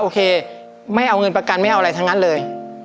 โอเคไม่เอาเงินประกันไม่เอาอะไรทั้งนั้นเลย